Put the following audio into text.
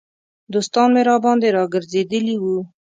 دوستان مې راباندې را ګرځېدلي وو.